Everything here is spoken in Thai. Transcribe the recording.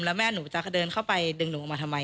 แล้วแม่หนูจะเดินเข้าไปดึงหนูออกมาทำไม